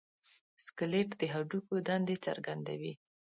سکلیټ د هډوکو دندې څرګندوي.